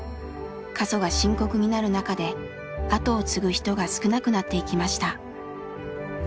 過疎が深刻になる中で後を継ぐ人が少なくなっていきました。